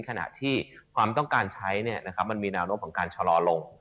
ขนาดที่ความต้องการใช้เนี่ยมันมีหนาวโน้มของการชลอลง